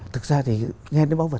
thực ra thì nghe đến bóng vật